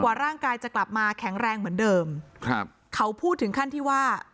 กว่าร่างกายจะกลับมาแข็งแรงเหมือนเดิมครับเขาพูดถึงขั้นที่ว่าไม่เอาแล้ว